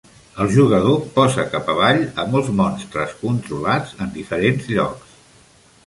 El jugador posa cap avall a molts monstres controlats en diferents llocs.